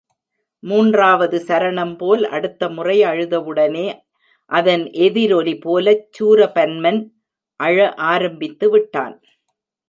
மூன்றாவது சரணம்போல் அடுத்த முறை அழுதவுடனே அதன் எதிரொலி போலச் சூரபன்மன் அழ ஆரம்பித்துவிட்டான்.